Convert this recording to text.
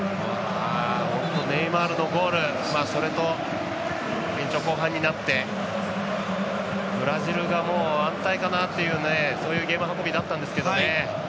ネイマールのゴールそれと延長後半になってブラジルが、安泰かなっていうそういうゲーム運びだったんですけどね。